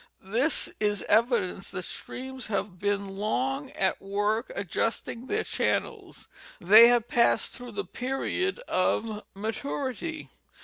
This is evidence that streams have been long at work adjusting their channels, they have passed through the period of maturity.